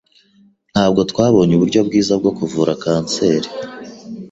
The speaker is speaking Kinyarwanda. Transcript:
Ntabwo twabonye uburyo bwiza bwo kuvura kanseri.